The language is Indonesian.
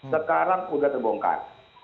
sekarang sudah terbongkar